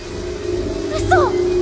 うそ！？